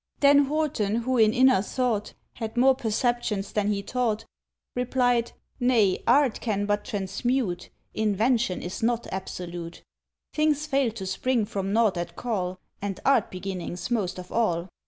—Then Horton, who in inner thought Had more perceptions than he taught, Replied: "Nay; art can but transmute; Invention is not absolute; "Things fail to spring from nought at call, And art beginnings most of all.